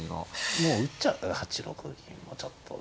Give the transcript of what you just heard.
もう打っちゃったら８六銀もちょっとね。